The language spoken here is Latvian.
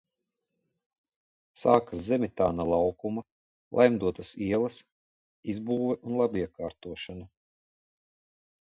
Sākas Zemitāna laukuma, Laimdotas ielas izbūve un labiekārtošana.